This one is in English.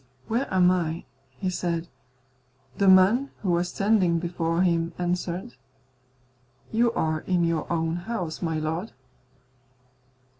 "Where am I?" he said. The man who was standing before him answered, "You are in your own house, my lord."